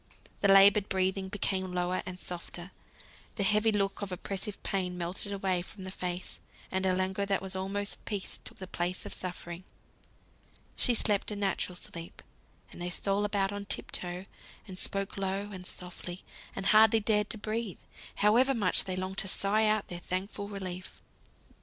The laboured breathing became lower and softer, the heavy look of oppressive pain melted away from the face, and a languor that was almost peace took the place of suffering. She slept a natural sleep; and they stole about on tip toe, and spoke low, and softly, and hardly dared to breathe, however much they longed to sigh out their thankful relief.